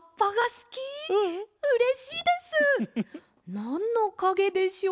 なんのかげでしょう？